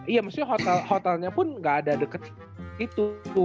iya maksudnya hotel hotelnya pun gak ada deket situ